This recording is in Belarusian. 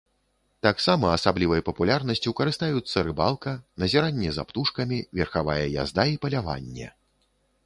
Таксама асаблівай папулярнасцю карыстаюцца рыбалка, назіранне за птушкамі, верхавая язда і паляванне.